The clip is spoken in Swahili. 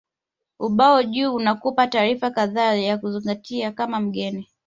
Ubao juu unakupa taarifa kadhaa za kuzingatia kama mgeni